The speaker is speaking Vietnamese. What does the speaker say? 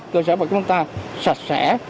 cơ sở của chúng ta sạch sẽ